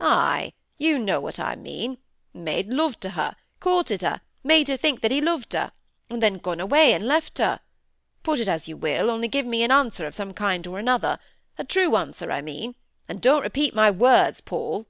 "Ay! you know what I mean: made love to her, courted her, made her think that he loved her, and then gone away and left her. Put it as you will, only give me an answer of some kind or another—a true answer, I mean—and don't repeat my words, Paul."